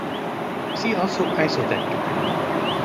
See also isovector.